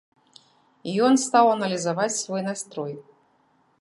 Ён стаў аналізаваць свой настрой.